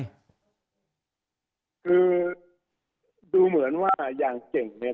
ดูเหมือนว่ายังเจ๋งเนี่ย